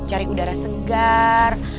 cari udara segar